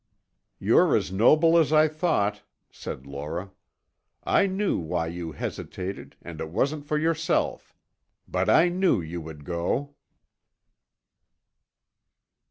"You're as noble as I thought," said Laura. "I knew why you hesitated and it wasn't for yourself. But I knew you would go."